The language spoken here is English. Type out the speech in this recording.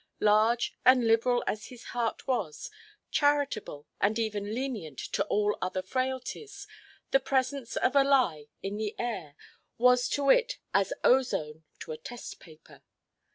Large and liberal as his heart was, charitable and even lenient to all other frailties, the presence of a lie in the air was to it as ozone to a test–paper.